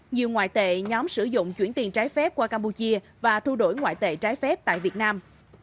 nhiều ngoại tệ nhóm sử dụng chuyển tiền trái phép qua campuchia và thu đổi ngoại tệ trái phép tại việt nam